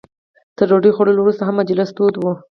تر ډوډۍ خوړلو وروسته هم مجلس تود و.